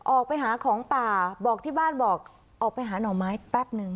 ออกไปหาของป่าบอกที่บ้านบอกออกไปหาหน่อไม้แป๊บนึง